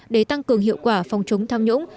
để tăng cường hiệu quả phòng chống tham nhũng